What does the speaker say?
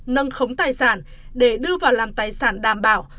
nâng khống tài sản để đưa vào làm tài sản đảm bảo